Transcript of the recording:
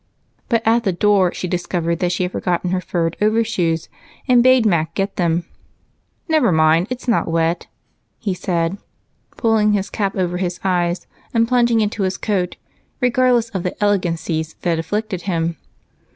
But at the door she discovered that she had forgotten her furred overshoes and bade Mac get them. "Never mind it's not wet," he said, pulling his cap over his eyes and plunging into his coat, regardless of the "elegancies" that afflicted him.